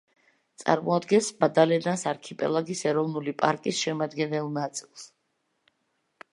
წარმოადგენს მადალენას არქიპელაგის ეროვნული პარკის შემადგენელ ნაწილს.